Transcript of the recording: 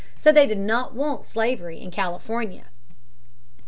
So they did not want slavery in California.